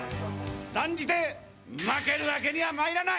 断じて負けるわけにはまいらない！